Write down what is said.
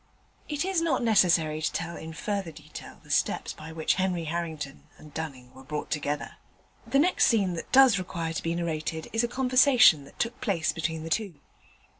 It is not necessary to tell in further detail the steps by which Henry Harrington and Dunning were brought together. The next scene that does require to be narrated is a conversation that took place between the two.